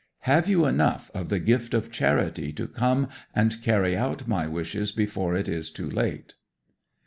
Have you enough of the gift of charity to come and carry out my wishes before it is too late?"